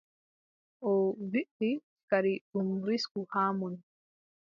O wiʼi kadi ɗum risku haa mon.